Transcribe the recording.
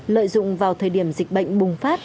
lợi dụng vào thời điểm dịch bệnh bùng phát